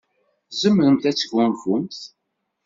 Tzemremt ad tesgunfumt.